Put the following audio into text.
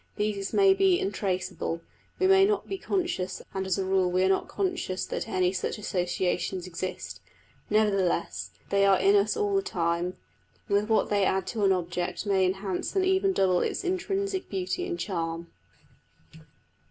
These may be untraceable: we may not be conscious and as a rule we are not conscious that any such associations exist; nevertheless they are in us all the time, and with what they add to an object may enhance and even double its intrinsic beauty and charm.